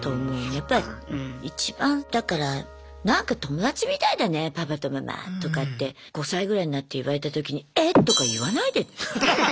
やっぱり一番だから「なんか友達みたいだねパパとママ」とかって５歳ぐらいになって言われたときに「えっ？」とか言わないでね。